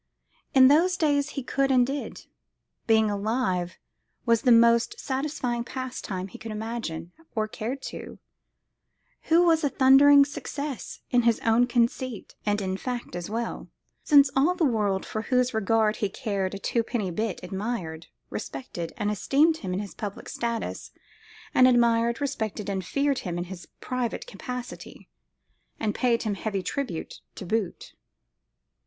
In those days he could and did: being alive was the most satisfying pastime he could imagine, or cared to, who was a thundering success in his own conceit and in fact as well; since all the world for whose regard he cared a twopenny bit admired, respected, and esteemed him in his public status, and admired, respected, and feared him in his private capacity, and paid him heavy tribute to boot.